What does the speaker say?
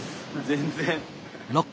全然。